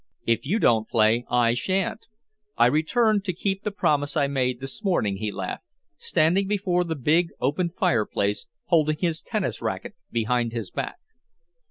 "If you don't play, I shan't. I returned to keep the promise I made this morning," he laughed, standing before the big open fireplace, holding his tennis racquet behind his back.